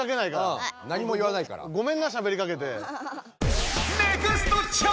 ごめんなしゃべりかけて。